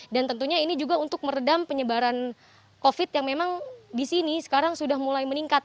dan tentunya ini juga untuk meredam penyebaran covid yang memang di sini sekarang sudah mulai meningkat